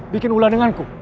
bikin ulan denganku